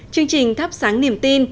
chương trình thắp sáng niềm tin